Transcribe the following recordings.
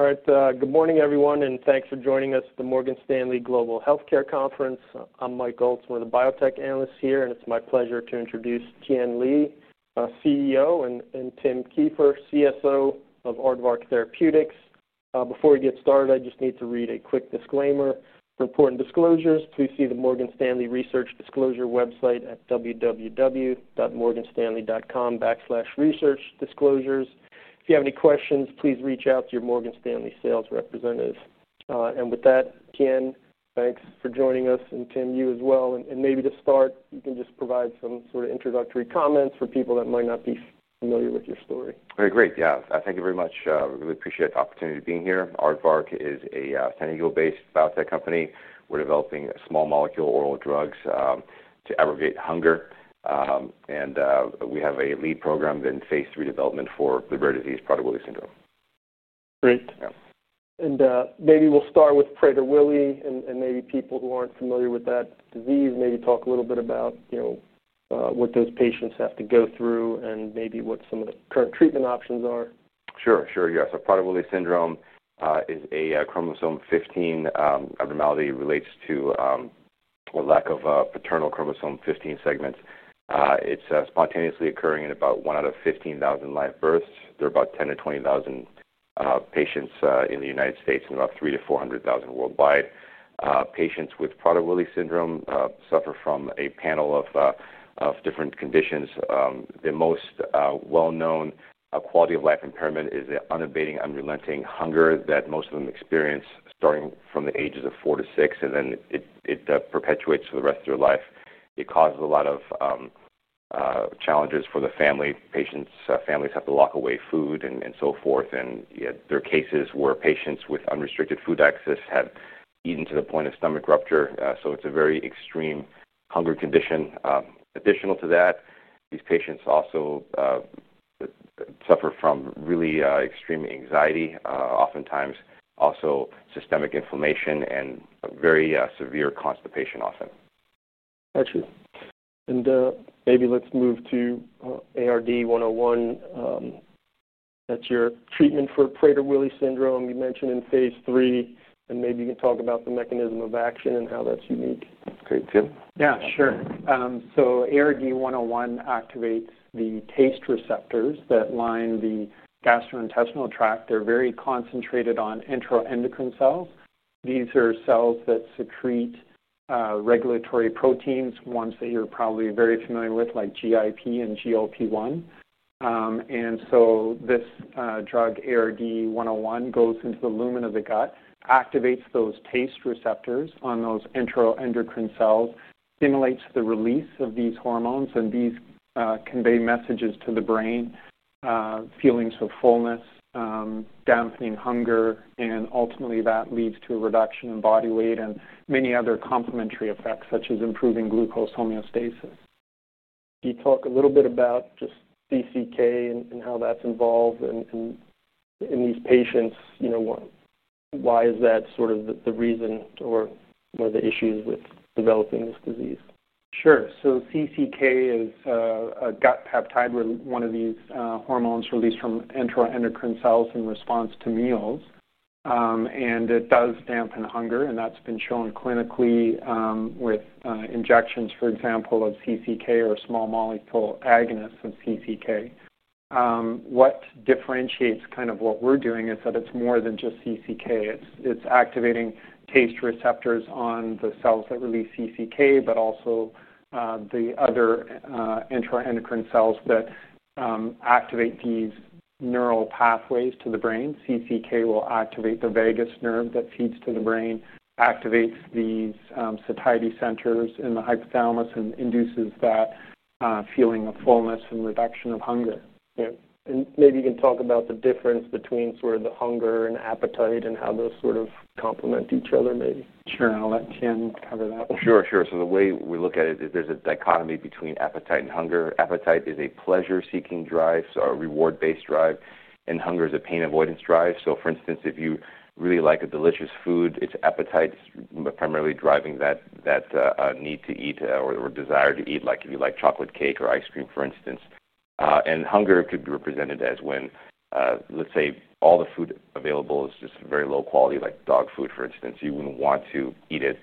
All right. Good morning, everyone, and thanks for joining us at the Morgan Stanley Global Health Care Conference. I'm Mike Goldsmith, one of the biotech analysts here, and it's my pleasure to introduce Tien Lee, CEO, and Tim Kieffer, CSO of Aardvark Therapeutics. Before we get started, I just need to read a quick disclaimer. For important disclosures, please see the Morgan Stanley Research Disclosure website at www.morganstanley.com/researchdisclosures. If you have any questions, please reach out to your Morgan Stanley sales representative. With that, Tien, thanks for joining us, and Tim, you as well. Maybe to start, you can just provide some sort of introductory comments for people that might not be familiar with your story. All right. Great. Yeah, thank you very much. I really appreciate the opportunity to be here. Aardvark is a San Diego-based biotech company. We're developing small molecule oral drugs to aggregate hunger. We have a lead program in phase III development for Prader-Willi syndrome. Great. Maybe we'll start with Prader-Willi, and for people who aren't familiar with that disease, maybe talk a little bit about what those patients have to go through and what some of the current treatment options are. Sure, sure. Yeah. Prader-Willi syndrome is a chromosome 15 abnormality related to a lack of paternal chromosome 15 segments. It's spontaneously occurring in about 1 out of 15,000 live births. There are about 10,000 to 20,000 patients in the U.S. and about 300,000 to 400,000 worldwide. Patients with Prader-Willi syndrome suffer from a panel of different conditions. The most well-known quality of life impairment is the unabating, unrelenting hunger that most of them experience, starting from the ages of four to six, and then it perpetuates for the rest of their life. It causes a lot of challenges for the family. Patients' families have to lock away food and so forth. There are cases where patients with unrestricted food access have eaten to the point of stomach rupture. It's a very extreme hunger condition. Additionally, these patients also suffer from really extreme anxiety, oftentimes also systemic inflammation, and very severe constipation often. Got you. Maybe let's move to ARD-101. That's your treatment for Prader-Willi syndrome. You mentioned in phase III, and maybe you can talk about the mechanism of action and how that's unique. Okay, Tim? Yeah, sure. ARD-101 activates the taste receptors that line the gastrointestinal tract. They're very concentrated on enteroendocrine cells. These are cells that secrete regulatory proteins, ones that you're probably very familiar with, like GIP and GLP-1. This drug, ARD-101, goes into the lumen of the gut, activates those taste receptors on those enteroendocrine cells, stimulates the release of these hormones, and these convey messages to the brain, feelings of fullness, dampening hunger, and ultimately that leads to a reduction in body weight and many other complementary effects, such as improving glucose homeostasis. Can you talk a little bit about just CCK and how that's involved in these patients? You know, why is that sort of the reason or one of the issues with developing this disease? Sure. CCK is a gut peptide, one of these hormones released from enteroendocrine cells in response to meals. It does dampen hunger, and that's been shown clinically with injections, for example, of CCK or small molecule agonists of CCK. What differentiates kind of what we're doing is that it's more than just CCK. It's activating taste receptors on the cells that release CCK, but also the other enteroendocrine cells that activate these neural pathways to the brain. CCK will activate the vagus nerve that feeds to the brain, activates these satiety centers in the hypothalamus, and induces that feeling of fullness and reduction of hunger. Maybe you can talk about the difference between the hunger and appetite and how those complement each other, maybe. Sure.I'll let Tien cover that one. Sure. The way we look at it is there's a dichotomy between appetite and hunger. Appetite is a pleasure-seeking drive, a reward-based drive, and hunger is a pain avoidance drive. For instance, if you really like a delicious food, it's appetite that's primarily driving that need to eat or desire to eat, like if you like chocolate cake or ice cream, for instance. Hunger could be represented as when, let's say, all the food available is just very low quality, like dog food, for instance. You wouldn't want to eat it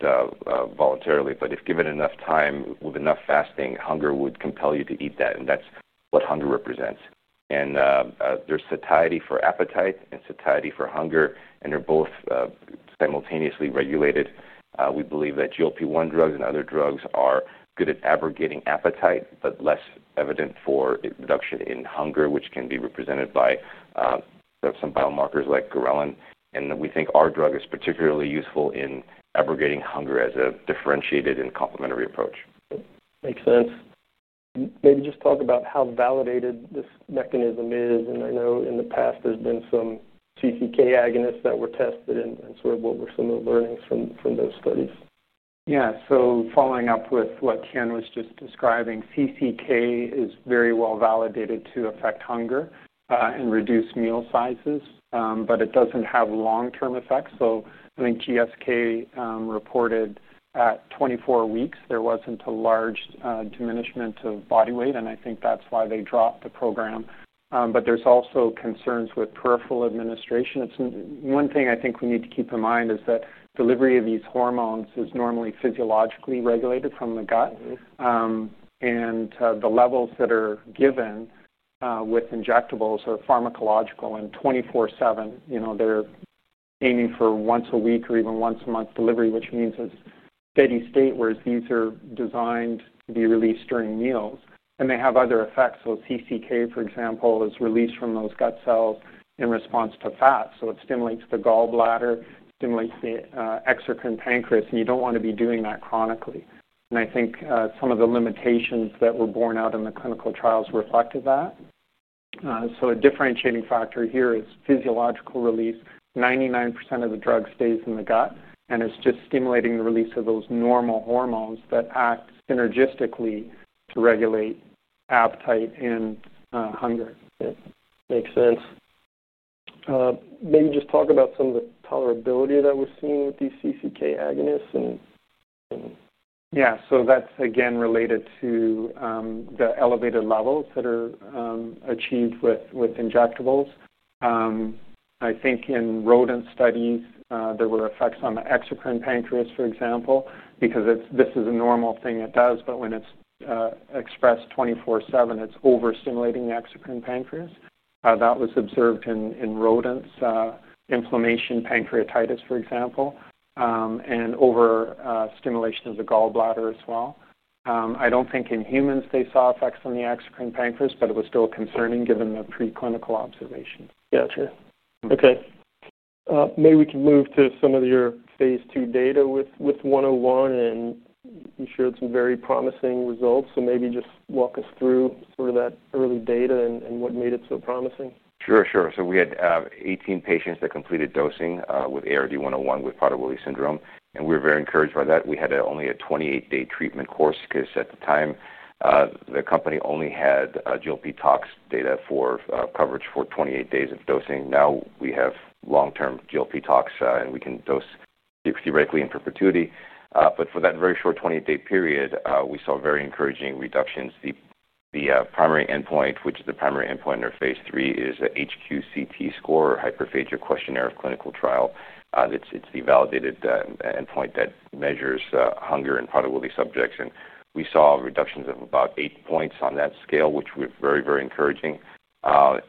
voluntarily. If given enough time with enough fasting, hunger would compel you to eat that, and that's what hunger represents. There's satiety for appetite and satiety for hunger, and they're both simultaneously regulated. We believe that GLP-1 drugs and other drugs are good at aggregating appetite, but less evident for reduction in hunger, which can be represented by some biomarkers like ghrelin. We think our drug is particularly useful in aggregating hunger as a differentiated and complementary approach. Makes sense. Maybe just talk about how validated this mechanism is. I know in the past there's been some CCK agonists that were tested, and what were some of the learnings from those studies? Yeah. Following up with what Tien was just describing, CCK is very well validated to affect hunger and reduce meal sizes, but it doesn't have long-term effects. I think GSK reported at 24 weeks, there wasn't a large diminishment of body weight, and I think that's why they dropped the program. There's also concerns with peripheral administration. One thing I think we need to keep in mind is that delivery of these hormones is normally physiologically regulated from the gut, and the levels that are given with injectables are pharmacological and 24/7. They're aiming for once a week or even once a month delivery, which means it's steady state, whereas these are designed to be released during meals. They have other effects. CCK, for example, is released from those gut cells in response to fat. It stimulates the gallbladder, stimulates the exocrine pancreas, and you don't want to be doing that chronically. I think some of the limitations that were borne out in the clinical trials reflected that. A differentiating factor here is physiological release. 99% of the drug stays in the gut, and it's just stimulating the release of those normal hormones that act synergistically to regulate appetite and hunger. Makes sense. Maybe just talk about some of the tolerability that we're seeing with these CCK agonists. That's, again, related to the elevated levels that are achieved with injectables. I think in rodent studies, there were effects on the exocrine pancreas, for example, because this is a normal thing it does, but when it's expressed 24/7, it's overstimulating the exocrine pancreas. That was observed in rodents, inflammation, pancreatitis, for example, and overstimulation of the gallbladder as well. I don't think in humans they saw effects on the exocrine pancreas, but it was still concerning given the preclinical observations. Gotcha. Okay. Maybe we can move to some of your phase II data with ARD-101, and you shared some very promising results. Maybe just walk us through that early data and what made it so promising. Sure. We had 18 patients that completed dosing with ARD-101 with Prader-Willi syndrome, and we were very encouraged by that. We had only a 28-day treatment course because at the time, the company only had GLP tox data for coverage for 28 days of dosing. Now we have long-term GLP tox, and we can dose theoretically in perpetuity. For that very short 28-day period, we saw very encouraging reductions. The primary endpoint, which is the primary endpoint in our phase III, is a HQ-CT score or hyperphagia questionnaire of clinical trial. It's the validated endpoint that measures hunger in Prader-Willi subjects. We saw reductions of about 8 points on that scale, which was very, very encouraging.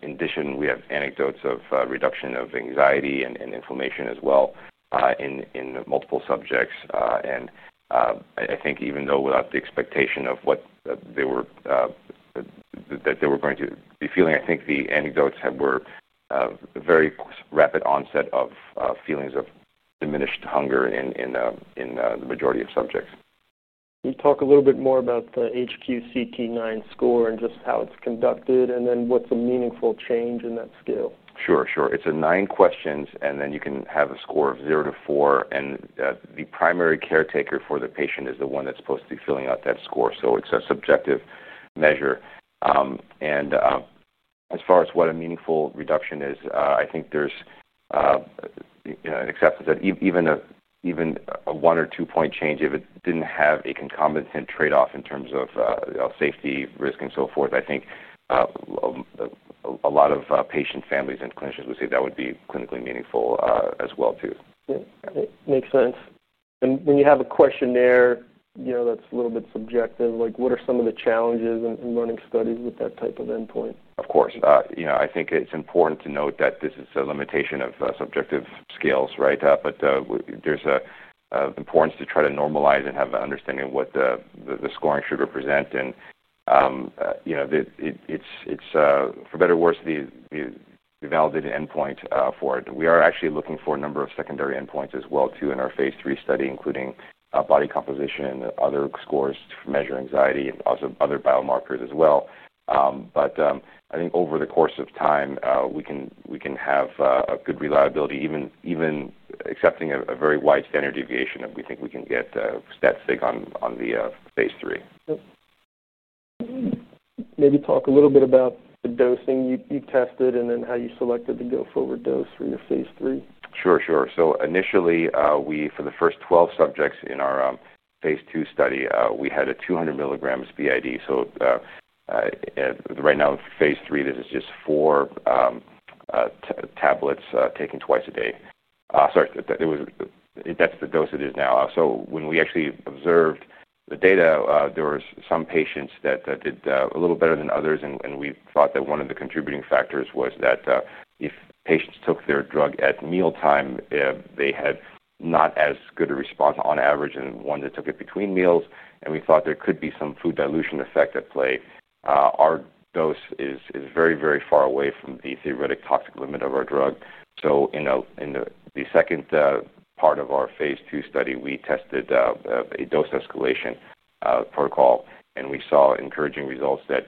In addition, we have anecdotes of reduction of anxiety and inflammation as well in multiple subjects. I think even though without the expectation of what they were going to be feeling, I think the anecdotes were very rapid onset of feelings of diminished hunger in the majority of subjects. Can you talk a little bit more about the HQCT-9 score and just how it's conducted and then what's a meaningful change in that scale? Sure. It's nine questions, and then you can have a score of zero to four, and the primary caretaker for the patient is the one that's supposed to be filling out that score. It's a subjective measure. As far as what a meaningful reduction is, I think there's an acceptance that even a one or two-point change, if it didn't have a concomitant trade-off in terms of safety risk and so forth, a lot of patient families and clinicians would say that would be clinically meaningful as well, too. Yeah. Makes sense. You have a question there that's a little bit subjective. What are some of the challenges in running studies with that type of endpoint? Of course. I think it's important to note that this is a limitation of subjective scales, right? There's an importance to try to normalize and have an understanding of what the scoring should represent. You know it's, for better or worse, the validated endpoint for it. We are actually looking for a number of secondary endpoints as well in our phase III study, including body composition and other scores to measure anxiety and also other biomarkers as well. I think over the course of time, we can have a good reliability, even accepting a very wide standard deviation that we think we can get statistic on the phase III. Maybe talk a little bit about the dosing you tested, and then how you selected the go-forward dose for your phase III. Sure, sure. Initially, for the first 12 subjects in our phase 2 study, we had a 200 mg b.i.d. Right now, phase III, this is just four tablets taken twice a day. Sorry, that's the dose it is now. When we actually observed the data, there were some patients that did a little better than others, and we thought that one of the contributing factors was that if patients took their drug at mealtime, they had not as good a response on average than ones that took it between meals. We thought there could be some food dilution effect at play. Our dose is very, very far away from the theoretic toxic limit of our drug. In the second part of our phase II study, we tested a dose escalation protocol, and we saw encouraging results that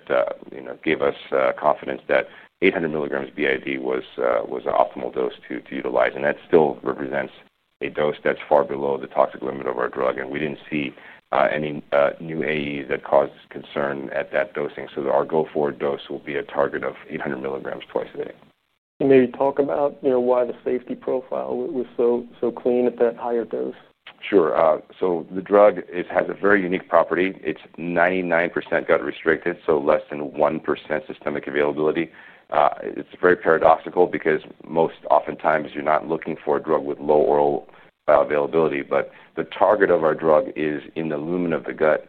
gave us confidence that 800 mg b.i.d. was an optimal dose to utilize. That still represents a dose that's far below the toxic limit of our drug. We didn't see any new AEs that caused concern at that dosing. Our go-forward dose will be a target of 800 mg twice a day. Could you talk about why the safety profile was so clean at that higher dose? Sure. The drug has a very unique property. It's 99% gut-restricted, so less than 1% systemic availability. It's very paradoxical because most oftentimes you're not looking for a drug with low oral availability. The target of our drug is in the lumen of the gut.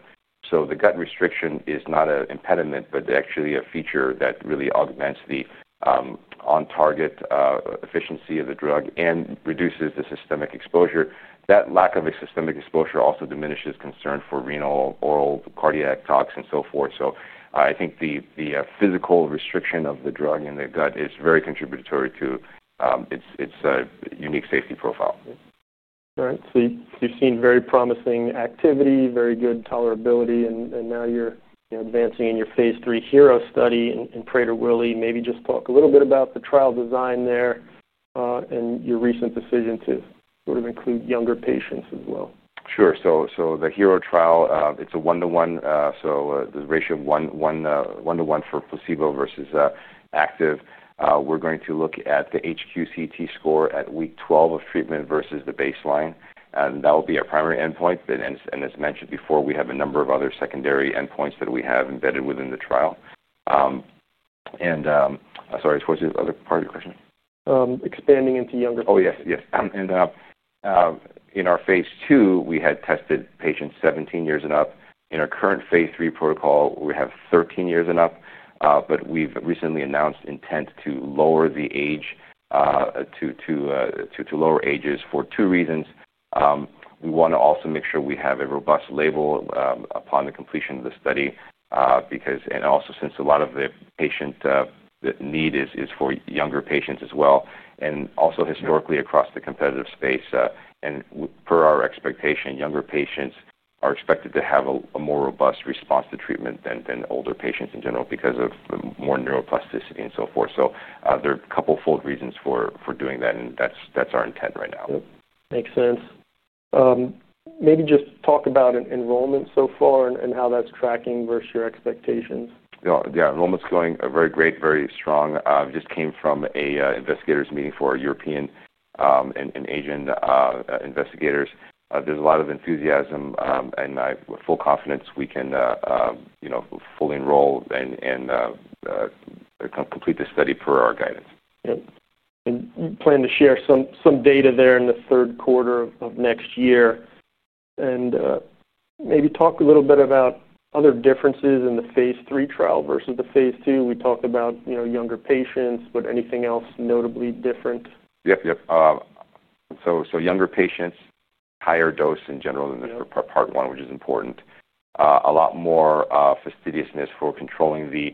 The gut restriction is not an impediment, but actually a feature that really augments the on-target efficiency of the drug and reduces the systemic exposure. That lack of systemic exposure also diminishes concern for renal, oral, cardiac toxins, and so forth. I think the physical restriction of the drug in the gut is very contributory to its unique safety profile. All right. You've seen very promising activity, very good tolerability, and now you're advancing in your phase III HERO study in Prader-Willi. Maybe just talk a little bit about the trial design there and your recent decision to include younger patients as well. Sure. The HERO trial is a one-to-one, so the ratio of one-to-one for placebo versus active. We're going to look at the HQ-CT score at week 12 of treatment versus the baseline, and that will be our primary endpoint. As mentioned before, we have a number of other secondary endpoints that we have embedded within the trial. I'm sorry, what was the other part of your question? Expanding into younger patients. Yes, yes. In our phase II, we had tested patients 17 years and up. In our current phase III protocol, we have 13 years and up. We've recently announced intent to lower the age to lower ages for two reasons. We want to also make sure we have a robust label upon the completion of the study, and also since a lot of the patient need is for younger patients as well, and also historically across the competitive space. Per our expectation, younger patients are expected to have a more robust response to treatment than older patients in general because of more neuroplasticity and so forth. There are a couple of fold reasons for doing that, and that's our intent right now. Makes sense. Maybe just talk about enrollment so far and how that's tracking versus your expectations. Yeah. Enrollment's going very great, very strong. Just came from an investigators' meeting for European and Asian investigators. There's a lot of enthusiasm, and I have full confidence we can fully enroll and complete the study per our guidance. Yep. You plan to share some data there in the third quarter of next year. Maybe talk a little bit about other differences in the phase III trial versus the phase II. We talked about younger patients, but anything else notably different? Yep, yep. Younger patients, higher dose in general than the part one, which is important. A lot more fastidiousness for controlling the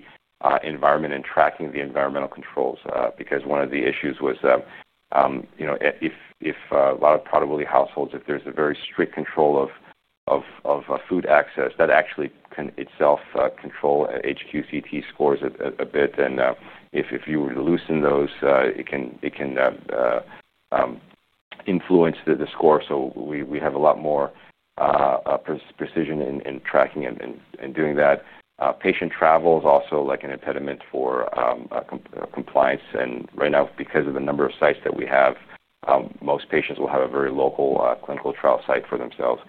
environment and tracking the environmental controls because one of the issues was, you know, if a lot of Prader-Willi households, if there's a very strict control of food access, that actually can itself control HQ-CT scores a bit. If you loosen those, it can influence the score. We have a lot more precision in tracking and doing that. Patient travel is also like an impediment for compliance. Right now, because of the number of sites that we have, most patients will have a very local clinical trial site for themselves.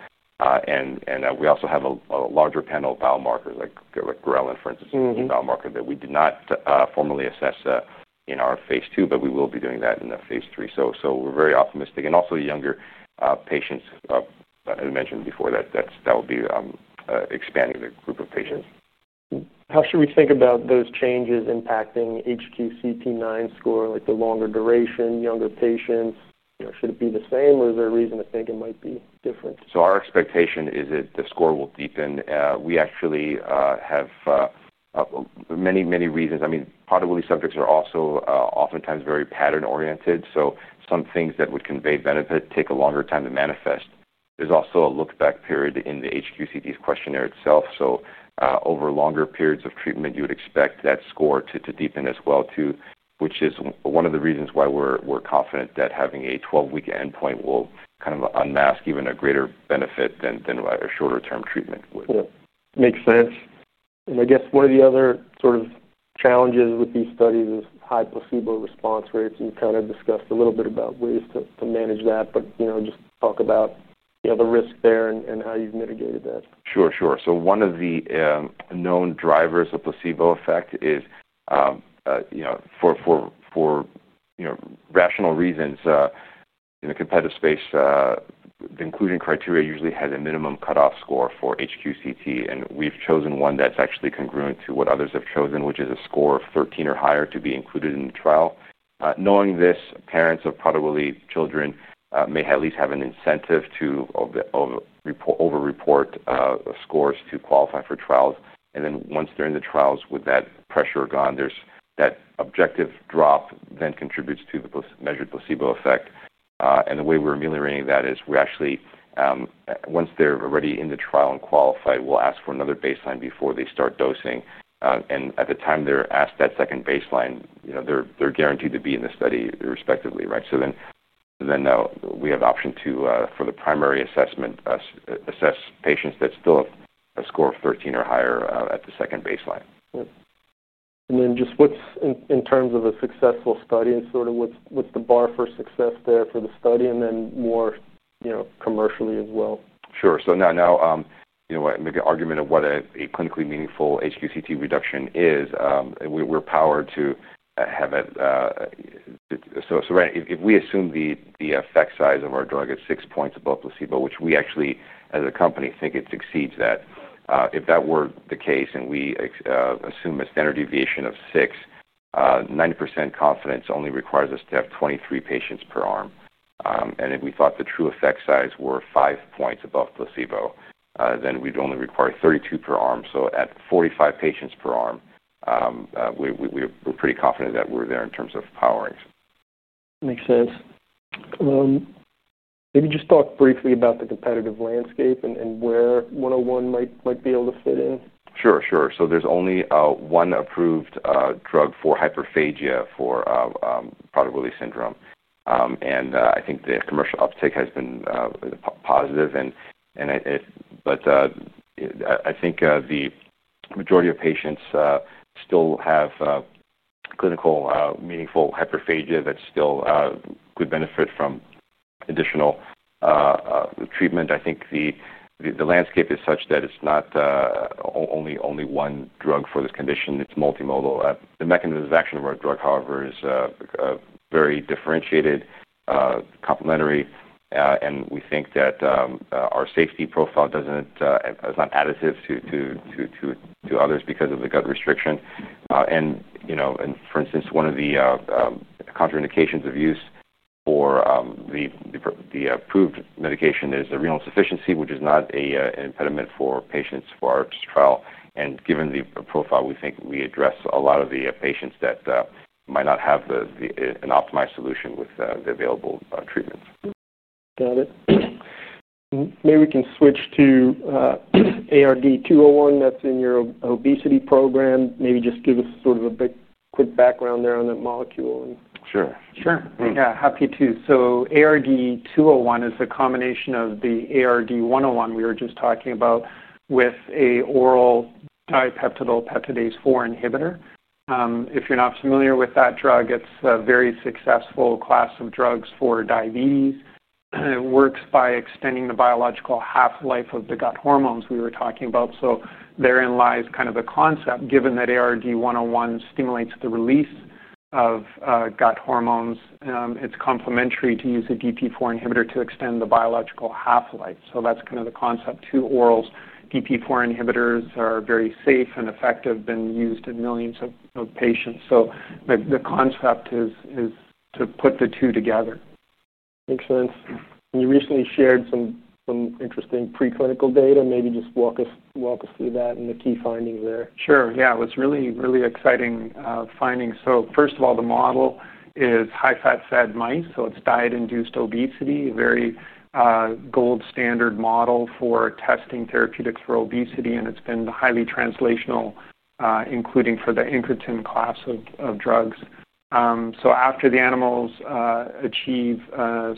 We also have a larger panel of biomarkers, like ghrelin, for instance, a biomarker that we did not formally assess in our phase II, but we will be doing that in the phase III. We're very optimistic. Also, younger patients, as I mentioned before, that will be expanding the group of patients. How should we think about those changes impacting HQCT-9 score, like the longer duration, younger patient? Should it be the same, or is there a reason to think it might be different? Our expectation is that the score will deepen. We actually have many, many reasons. Prader-Willi subjects are also oftentimes very pattern-oriented, so some things that would convey benefit take a longer time to manifest. There's also a look-back period in the HQ-CT questionnaire itself. Over longer periods of treatment, you would expect that score to deepen as well, too, which is one of the reasons why we're confident that having a 12-week endpoint will kind of unmask even a greater benefit than a shorter-term treatment would. Yep. Makes sense. I guess one of the other sort of challenges with these studies is high placebo response rates. You kind of discussed a little bit about ways to manage that, but you know, just talk about the risk there and how you've mitigated that. Sure. One of the known drivers of placebo effect is, for rational reasons, in the competitive space, the inclusion criteria usually has a minimum cutoff score for HQ-CT. We've chosen one that's actually congruent to what others have chosen, which is a score of 13 or higher to be included in the trial. Knowing this, parents of Prader-Willi children may at least have an incentive to overreport scores to qualify for trials. Once they're in the trials, with that pressure gone, that objective drop then contributes to the measured placebo effect. The way we're ameliorating that is we actually, once they're already in the trial and qualified, will ask for another baseline before they start dosing. At the time they're asked that second baseline, they're guaranteed to be in the study respectively, right? We have the option to, for the primary assessment, assess patients that still have a score of 13 or higher at the second baseline. What's in terms of a successful study and sort of what's the bar for success there for the study, and then more, you know, commercially as well? Sure. Now, you know, I make an argument of what a clinically meaningful HQ-CT reduction is, and we're powered to have it. If we assume the effect size of our drug is six points above placebo, which we actually, as a company, think it exceeds that, if that were the case and we assume a standard deviation of six, 90% confidence only requires us to have 23 patients per arm. If we thought the true effect size were five points above placebo, then we'd only require 32 per arm. At 45 patients per arm, we're pretty confident that we're there in terms of powering. Makes sense. Maybe just talk briefly about the competitive landscape and where ARD-101 might be able to fit in. There is only one approved drug for hyperphagia for Prader-Willi syndrome. I think the commercial uptake has been positive. I think the majority of patients still have clinically meaningful hyperphagia that still could benefit from additional treatment. I think the landscape is such that it's not only one drug for this condition. It's multimodal. The mechanism of action of our drug, however, is very differentiated, complementary. We think that our safety profile is not additive to others because of the gut restriction. For instance, one of the contraindications of use for the approved medication is renal insufficiency, which is not an impediment for patients for our trial. Given the profile, we think we address a lot of the patients that might not have an optimized solution with the available treatments. Got it. Maybe we can switch to ARD-201 that's in your obesity program. Maybe just give us sort of a quick background there on that molecule. Sure. Sure. Yeah, happy to. ARD-201 is the combination of the ARD-101 we were just talking about with an oral dipeptidyl peptidase-4 inhibitor. If you're not familiar with that drug, it's a very successful class of drugs for diabetes. It works by extending the biological half-life of the gut hormones we were talking about. Therein lies kind of the concept. Given that ARD-101 stimulates the release of gut hormones, it's complementary to use a DPP-4 inhibitor to extend the biological half-life. That's kind of the concept. Two orals, DPP-4 inhibitors are very safe and effective, been used in millions of patients. The concept is to put the two together. Makes sense. You recently shared some interesting preclinical data. Maybe just walk us through that and the key findings there. Sure. Yeah. It was really, really exciting findings. First of all, the model is high-fat-fed mice. It's diet-induced obesity, a very gold standard model for testing therapeutics for obesity. It's been highly translational, including for the incretin class of drugs. After the animals achieve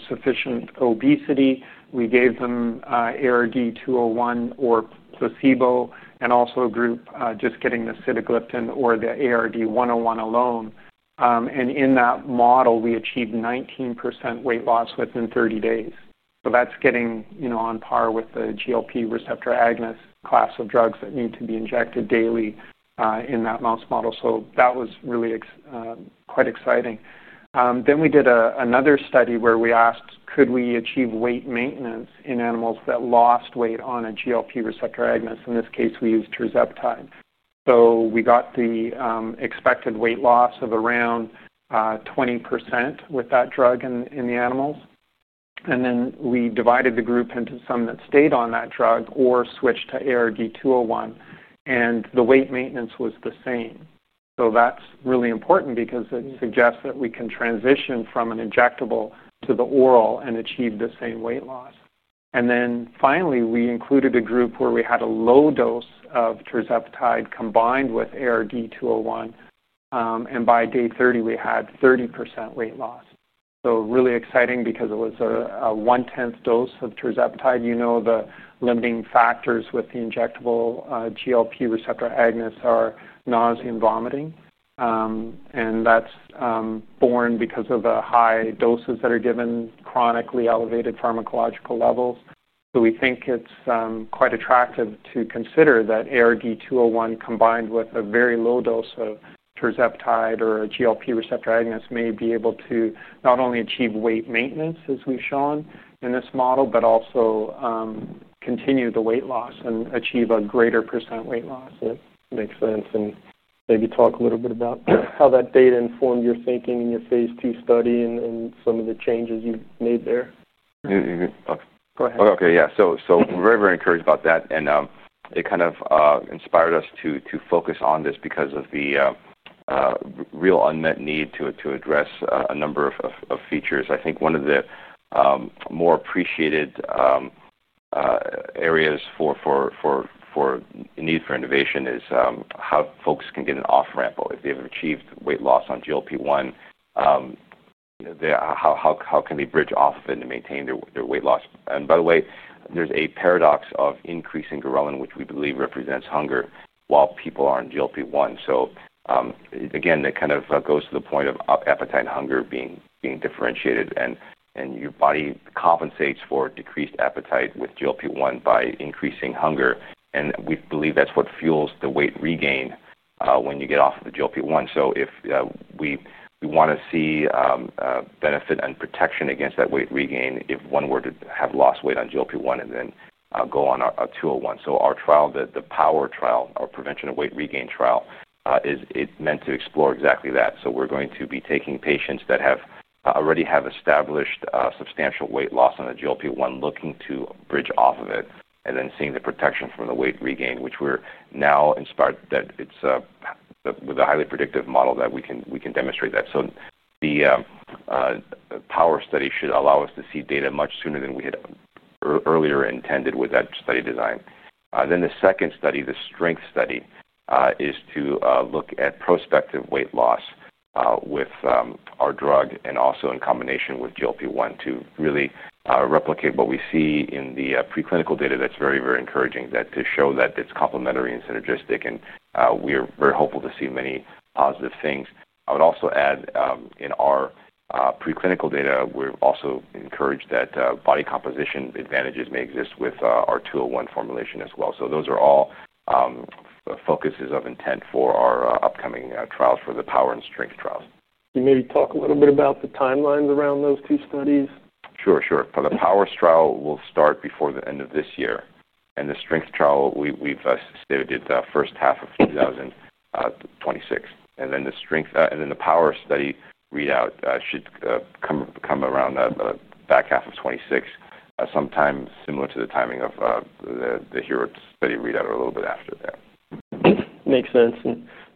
sufficient obesity, we gave them ARD-201 or placebo and also a group just getting the Sitagliptin or the ARD-101 alone. In that model, we achieved 19% weight loss within 30 days. That's getting on par with the GLP-1 receptor agonist class of drugs that need to be injected daily in that mouse model. That was really quite exciting. We did another study where we asked, could we achieve weight maintenance in animals that lost weight on a GLP-1 receptor agonist? In this case, we used Tirzepatide. We got the expected weight loss of around 20% with that drug in the animals. We divided the group into some that stayed on that drug or switched to ARD-201, and the weight maintenance was the same. That's really important because it suggests that we can transition from an injectable to the oral and achieve the same weight loss. Finally, we included a group where we had a low dose of Tirzepatide combined with ARD-201. By day 30, we had 30% weight loss. Really exciting because it was a one-tenth dose of Tirzepatide. You know the limiting factors with the injectable GLP-1 receptor agonists are nausea and vomiting. That's born because of the high doses that are given chronically elevated pharmacological levels. We think it's quite attractive to consider that ARD-201 combined with a very low dose of Tirzepatide or a GLP-1 receptor agonist may be able to not only achieve weight maintenance, as we've shown in this model, but also continue the weight loss and achieve a greater percent weight loss. Makes sense. Maybe talk a little bit about how that data informed your thinking in your phase II study and some of the changes you made there. Go ahead. Oh, okay. Yeah. We are very, very encouraged about that. It kind of inspired us to focus on this because of the real unmet need to address a number of features. I think one of the more appreciated areas for a need for innovation is how folks can get an off-ramp. If they've achieved weight loss on GLP-1, how can they bridge off of it and maintain their weight loss? By the way, there's a paradox of increasing ghrelin, which we believe represents hunger, while people are on GLP-1. It goes to the point of appetite and hunger being differentiated. Your body compensates for decreased appetite with GLP-1 by increasing hunger. We believe that's what fuels the weight regain when you get off of the GLP-1. If we want to see benefit and protection against that weight regain if one were to have lost weight on GLP-1 and then go on ARD-201. Our trial, the POWER trial, our prevention of weight regain trial, is meant to explore exactly that. We are going to be taking patients that already have established substantial weight loss on a GLP-1 looking to bridge off of it and then seeing the protection from the weight regain, which we are now inspired that it's with a highly predictive model that we can demonstrate that. The POWER study should allow us to see data much sooner than we had earlier intended with that study design. The second study, the STRENGTH study, is to look at prospective weight loss with our drug and also in combination with GLP-1 to really replicate what we see in the preclinical data. That's very, very encouraging to show that it's complementary and synergistic. We are very hopeful to see many positive things. I would also add in our preclinical data, we are also encouraged that body composition advantages may exist with our ARD-201 formulation as well. Those are all focuses of intent for our upcoming trials for the POWER and STRENGTH trials. Can you maybe talk a little bit about the timelines around those two studies? Sure. For the POWER trial, we'll start before the end of this year. The STRENGTH trial, we've stated the first half of 2026. The POWER study readout should come around the back half of 2026, sometime similar to the timing of the HERO study readout or a little bit after that. Makes sense.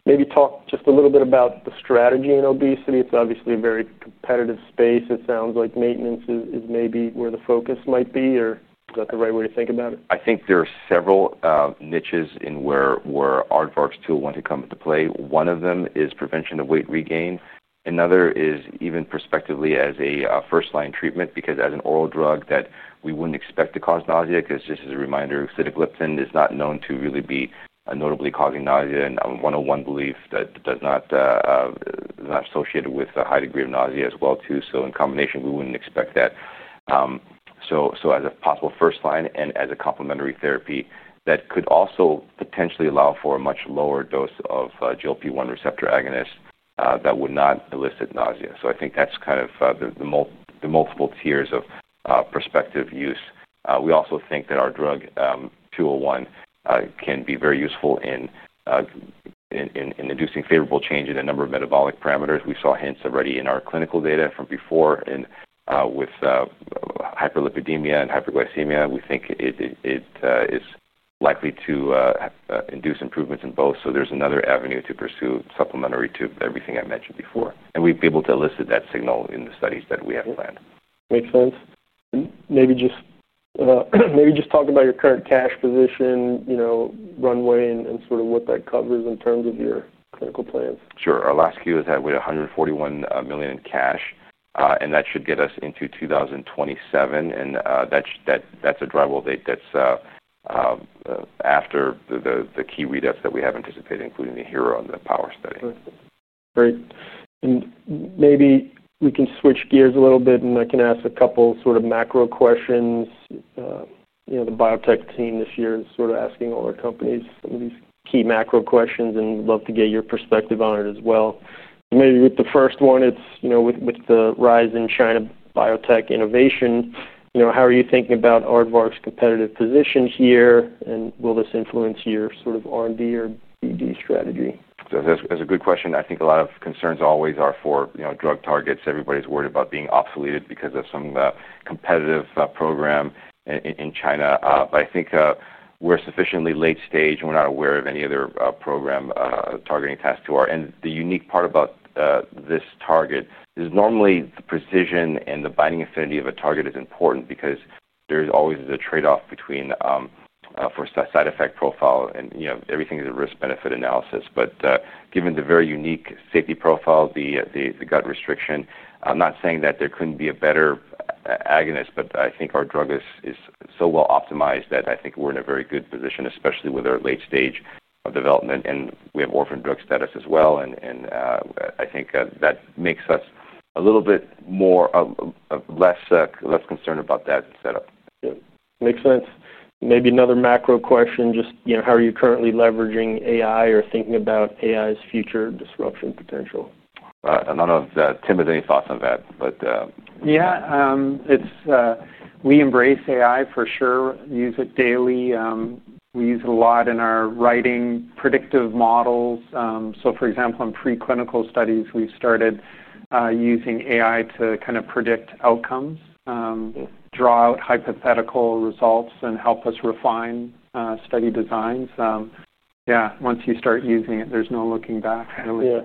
Maybe talk just a little bit about the strategy in obesity. It's obviously a very competitive space. It sounds like maintenance is maybe where the focus might be, or is that the right way to think about it? I think there are several niches in where Aardvark's tool want to come into play. One of them is prevention of weight regain. Another is even prospectively as a first-line treatment because as an oral drug that we wouldn't expect to cause nausea, because just as a reminder, Sitagliptin is not known to really be notably causing nausea. I'm of one belief that it's not associated with a high degree of nausea as well, too. In combination, we wouldn't expect that. As a possible first line and as a complementary therapy, that could also potentially allow for a much lower dose of GLP-1 receptor agonists that would not elicit nausea. I think that's kind of the multiple tiers of prospective use. We also think that our drug ARD-201 can be very useful in inducing favorable change in a number of metabolic parameters. We saw hints already in our clinical data from before with hyperlipidemia and hyperglycemia. We think it is likely to induce improvements in both. There's another avenue to pursue supplementary to everything I mentioned before. We'd be able to elicit that signal in the studies that we have planned. Makes sense. Maybe just talk about your current cash position, you know, runway, and sort of what that covers in terms of your clinical plans. Sure. Our last Q is that we had $141 million in cash, and that should get us into 2027. That's a drivable date that's after the key readouts that we have anticipated, including the HERO and the POWER trial. Great. Maybe we can switch gears a little bit, and I can ask a couple sort of macro questions. The biotech team this year is sort of asking all their companies some of these key macro questions and would love to get your perspective on it as well. Maybe with the first one, it's, you know, with the rise in China biotech innovation, how are you thinking about Aardvark Therapeutics' competitive position here? Will this influence your sort of R&D or BD strategy? That's a good question. I think a lot of concerns always are for, you know, drug targets. Everybody's worried about being obsoleted because of some of the competitive program in China. I think we're sufficiently late stage and we're not aware of any other program targeting tasks to our end. The unique part about this target is normally the precision and the binding affinity of a target is important because there's always a trade-off for a side effect profile and, you know, everything is a risk-benefit analysis. Given the very unique safety profile, the gut restriction, I'm not saying that there couldn't be a better agonist, but I think our drug is so well optimized that I think we're in a very good position, especially with our late stage of development. We have orphan drug status as well. I think that makes us a little bit less concerned about that setup. Yeah. Makes sense. Maybe another macro question. Just, you know, how are you currently leveraging AI or thinking about AI's future disruption potential? I don't know if Tim has any thoughts on that. Yeah. We embrace AI for sure. We use it daily. We use it a lot in our writing predictive models. For example, in preclinical studies, we've started using AI to kind of predict outcomes, draw out hypothetical results, and help us refine study designs. Once you start using it, there's no looking back. Yeah,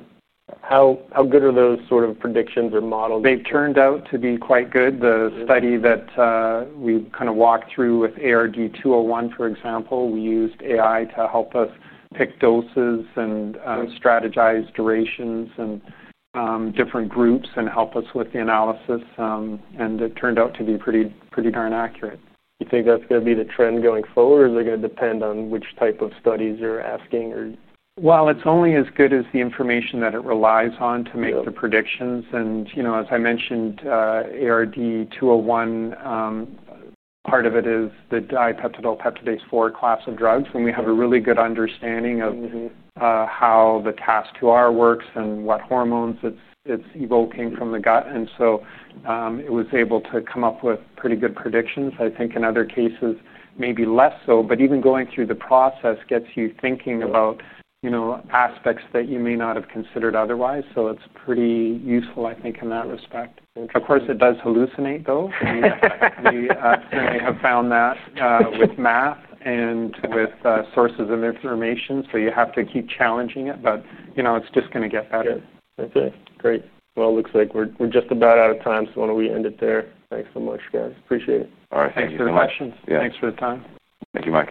how good are those sort of predictions or models? They've turned out to be quite good. The study that we kind of walked through with ARD-201, for example, we used AI to help us pick doses and strategize durations and different groups, and help us with the analysis. It turned out to be pretty darn accurate. Do you think that's going to be the trend going forward, or is it going to depend on which type of studies you're asking? It is only as good as the information that it relies on to make the predictions. As I mentioned, ARD-201, part of it is the dipeptidyl peptidase-4 class of drugs. We have a really good understanding of how the CaSR works and what hormones it is evoking from the gut, so it was able to come up with pretty good predictions. I think in other cases, maybe less so. Even going through the process gets you thinking about aspects that you may not have considered otherwise. It is pretty useful, I think, in that respect. Of course, it does hallucinate, though. We have found that with math and with sources of information. You have to keep challenging it, but it is just going to get better. Great. It looks like we're just about out of time, so why don't we end it there? Thanks so much, guys. Appreciate it. All right. Thanks for the questions. Yeah. Thanks for the time. Thank you, Mike.